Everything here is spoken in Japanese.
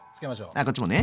ああこっちもね。